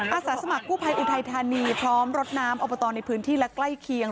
อาสาสมัครกู้ภัยอุทัยธานีพร้อมรถน้ำอบตในพื้นที่และใกล้เคียง